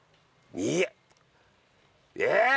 いやええっ？